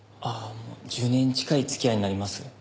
ああ１０年近い付き合いになります。